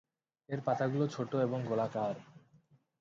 এর পাতাগুলো ছোট এবং গোলাকার।